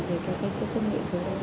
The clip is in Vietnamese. với các cái công nghệ số đó